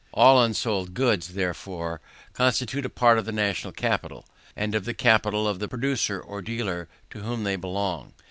All unsold goods, therefore, constitute a part of the national capital, and of the capital of the producer or dealer to whom they belong.